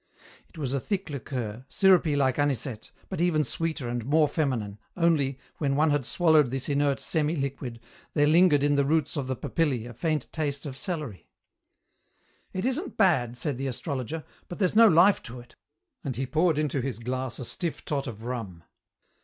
It was a thick liqueur, sirupy like anisette, but even sweeter and more feminine, only, when one had swallowed this inert semi liquid, there lingered in the roots of the papillæ a faint taste of celery. "It isn't bad," said the astrologer, "but there's no life to it," and he poured into his glass a stiff tot of rum.